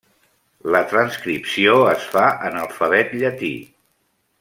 La transcripció es fa en alfabet llatí.